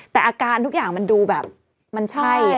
แต่อาการทุกอย่างมันดูแบบมันใช่